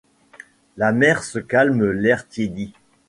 La mer se calme, l'air tiédit.